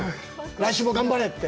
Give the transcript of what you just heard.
来週も頑張れ！って。